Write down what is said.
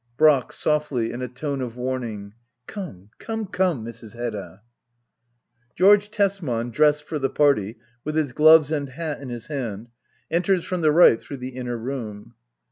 Brack* [Softly, in a tone of warning.] Come^ come, come, Mrs. Hedda I George Tesman, dressed for the party, with Jus gloves and hat in his hand, enters from the right through the inner room.